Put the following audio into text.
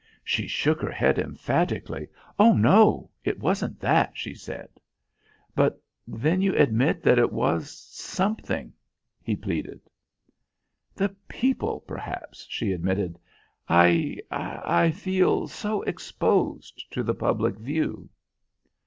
She shook her head emphatically. "Oh! no, it wasn't that," she said. "But then you admit that it was something?" he pleaded. "The people, perhaps," she admitted. "I I feel so exposed to the public view."